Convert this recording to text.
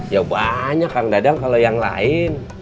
ya banyak kang dadang kalau yang lain